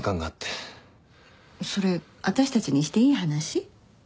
それ私たちにしていい話？